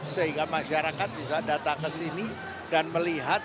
sehingga masyarakat bisa datang ke sini dan melihat